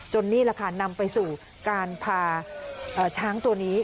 นี่แหละค่ะนำไปสู่การพาช้างตัวนี้